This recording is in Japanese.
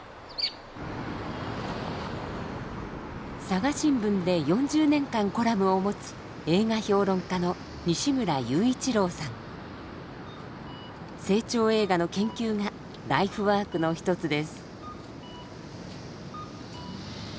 佐賀新聞で４０年間コラムを持つ清張映画の研究がライフワークのひとつです。